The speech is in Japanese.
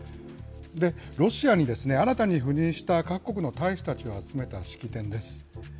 ロシアに新たに赴任した各国の大使たちを集めた式典です。